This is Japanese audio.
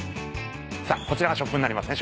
さあこちらがショップになりますね